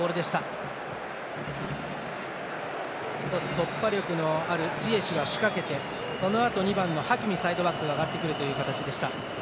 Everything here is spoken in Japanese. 突破力のあるジエシュが仕掛けてそのあと、２番のハキミサイドバックが上がってくるという形でした。